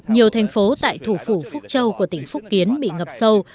nhiều thành phố tại thủ phủ phúc châu của tỉnh phúc kiến bị ngập sâu